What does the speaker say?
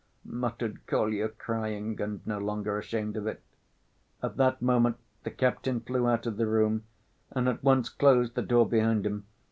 muttered Kolya, crying, and no longer ashamed of it. At that moment the captain flew out of the room, and at once closed the door behind him.